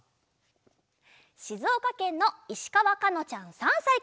しずおかけんのいしかわかのちゃん３さいから。